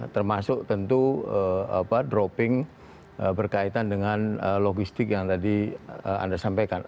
termasuk tentu dropping berkaitan dengan logistik yang tadi anda sampaikan